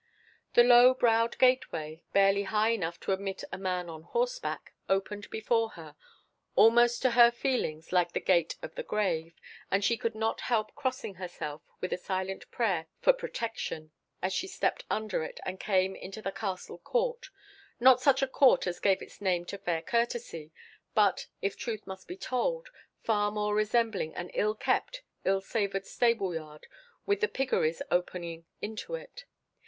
The low browed gateway, barely high enough to admit a man on horseback, opened before her, almost to her feelings like the gate of the grave, and she could not help crossing herself, with a silent prayer for protection, as she stepped under it, and came into the castle court—not such a court as gave its name to fair courtesy, but, if truth must be told, far more resembling an ill kept, ill savoured stable yard, with the piggeries opening into it.